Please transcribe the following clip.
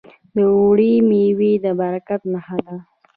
د اوړي میوې د برکت نښه ده.